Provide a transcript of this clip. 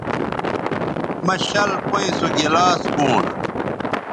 مہ شَل پئیں سو گلاس پونݜ